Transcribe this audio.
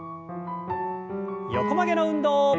横曲げの運動。